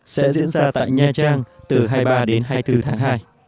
sẽ diễn ra tại nha trang từ hai mươi ba đến hai mươi bốn tháng hai